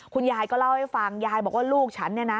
คุณยายก็เล่าให้ฟังยายบอกว่าลูกฉันเนี่ยนะ